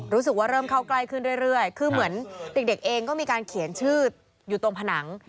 เริ่มเข้าใกล้ขึ้นเรื่อยคือเหมือนเด็กเองก็มีการเขียนชื่ออยู่ตรงผนัง